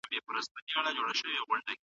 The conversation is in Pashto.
ګابرېلا یوازې د معدې سپک درد تجربه کوي.